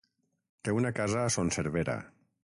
Té una casa a Son Servera.